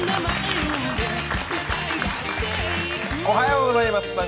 おはようございます。